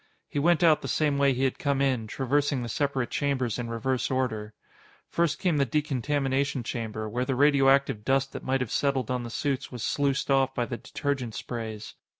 He went out the same way he had come in, traversing the separate chambers in reverse order. First came the decontamination chamber, where the radioactive dust that might have settled on the suits was sluiced off by the detergent sprays.